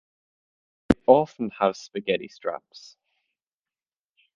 They often have spaghetti straps.